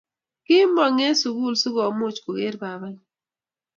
kimong eng sukul sikomuch koker babanyi